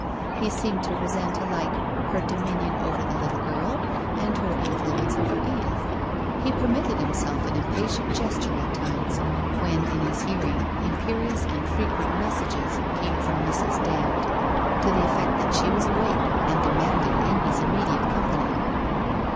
He seemed to resent alike her dominion over the little girl, and her influence over Edith. He per mitted himself an impatient gesture at times when in his hearing imperious and frequent messages came from Mrs. Dand to the effect that she was awake and demanded Amy's immediate company.